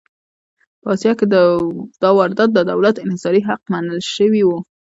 په اسیا کې دا واردات د دولت انحصاري حق منل شوي وو.